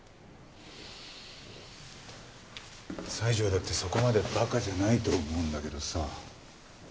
西条だってそこまで馬鹿じゃないと思うんだけどさ。